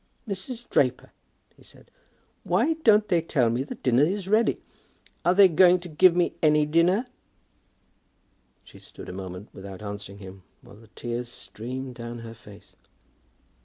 "Mrs. Draper," he said, "why don't they tell me that dinner is ready? Are they going to give me any dinner?" She stood a moment without answering him, while the tears streamed down her face.